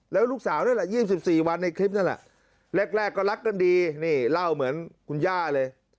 แล้วลูกสาวนั่นแหละ๒๔วันในคลิปนั่นแหละแรกก็รักกันดีนี่เล่าเหมือนคุณย่าเลย